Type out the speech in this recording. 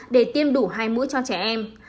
để tiêm đủ hai mũi cho trẻ em